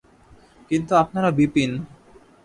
কিন্তু আপনারা– বিপিন।